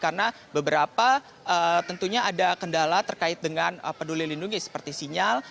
karena beberapa tentunya ada kendala terkait dengan peduli lindungi seperti sinyal